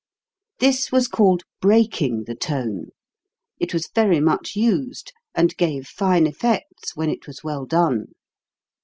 This was called breaking the tone; it was very much used, and gave fine effects when it was well done.